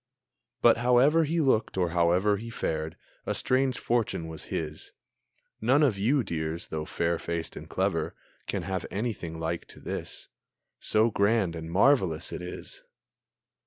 But however he looked, or however He fared, a strange fortune was his. None of you, dears, though fair faced and clever, Can have anything like to this, So grand and so marvelous it is!